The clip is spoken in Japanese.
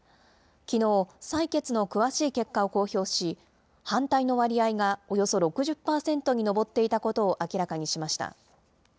きのう、採決の詳しい結果を公表し、反対の割合が、およそ６０％に上っていたことを明らかにしました。